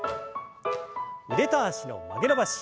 腕と脚の曲げ伸ばし。